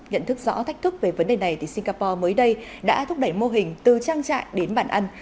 nhận thức rõ thách thức về vấn đề này singapore mới đây đã thúc đẩy mô hình từ trang trại đến bàn ăn